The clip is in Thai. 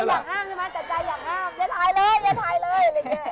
แต่ใจอย่างห้ามใช่ไหมแต่ใจอย่างห้ามอย่าถ่ายเลยอย่าถ่ายเลย